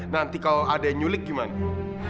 nanti kalau ada yang nyulik gimana bu